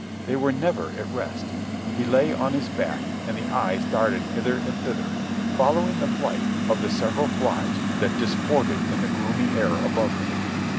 They were never at rest. He lay on his back, and the eyes darted hither and thither, following the flight of the several flies that disported in the gloomy air above him.